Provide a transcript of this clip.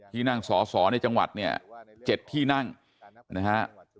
ที่นั่งสอสอในจังหวัดเนี่ย๗ที่นั่งนะฮะ